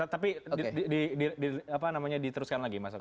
tapi diteruskan lagi mas revo